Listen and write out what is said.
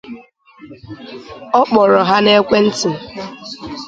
Ọ kpọrọ ha n’ekwe nti